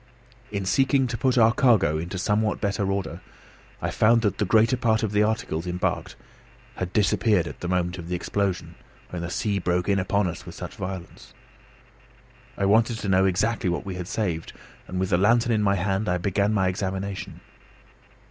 In seeking to put our cargo into somewhat better order, I found that the greater part of the articles embarked had disappeared at the moment of the explosion, when the sea broke in upon us with such violence. I wanted to know exactly what we had saved, and with the lantern in my hand I began my examination.